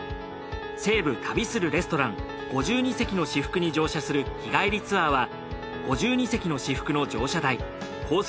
西武旅するレストラン５２席の至福に乗車する日帰りツアーは５２席の至福の乗車代コース